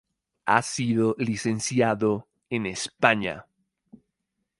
Ha sido licenciado en España.